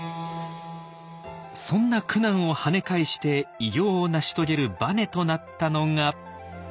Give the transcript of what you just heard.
そんな苦難をはね返して偉業を成し遂げるバネとなったのが。